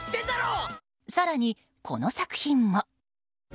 更に、この作品も。